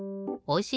お！